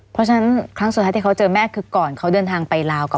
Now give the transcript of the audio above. เพราะฉะนั้นครั้งสุดท้ายที่เขาเจอแม่คือก่อนเขาเดินทางไปลาวก่อน